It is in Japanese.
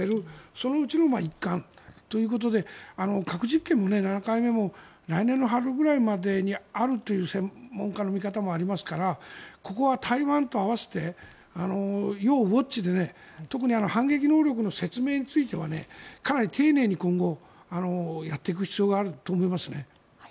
そのうちの一環ということで核実験も７回目も来年の春ぐらいまでにあるという専門家の見方もありますからここは台湾と合わせて要ウォッチで特に反撃能力の説明についてはかなり丁寧に今後、やっていく必要があると思いますね。